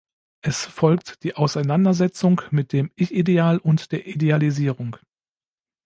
Es folgt die Auseinandersetzung mit dem Ich-Ideal und der Idealisierung.